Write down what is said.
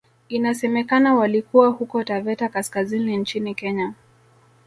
Inasemekana walikuwa huko Taveta kaskazini nchini Kenya